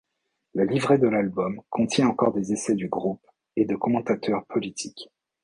Le livret de l’album contient encore des essais du groupe et de commentateurs politiques.